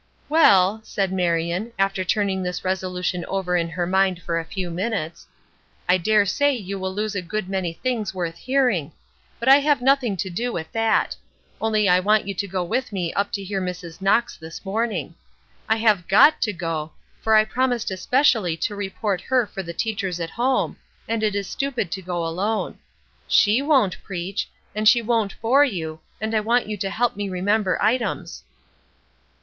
"Well," said Marion, after turning this resolution over in her mind for a few minutes, "I dare say you will lose a good many things worth hearing; but I have nothing to do with that only I want you to go with me up to hear Mrs. Knox this morning. I've got to go, for I promised especially to report her for the teachers at home, and it is stupid to go alone. She won't preach, and she won't bore you, and I want you to help me remember items."